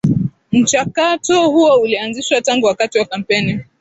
Mchakatp huo ulianzishwa tangu wakati wa Kampeni